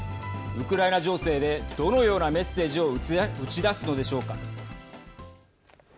ウクライナ情勢でどのようなメッセージを打ち出すのでしょうか。